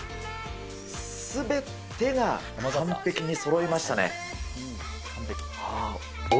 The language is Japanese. すべてが完璧にそろいましたね。